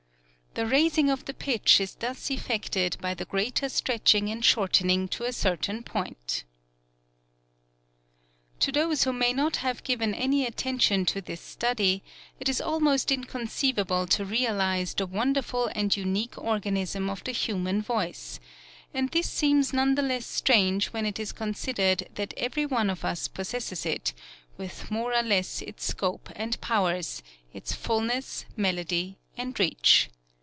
The raising of the pitch is thus effected by the greater stretching and shortening to a certain point." To those who may not have given any attention to this study, it is almost inconceivable to realize the wonderful and unique organism of the human voice; and this seems none the less strange when it is considered that every one of us possesses it, with more or less its scope and powers, its fulness, melody and reach.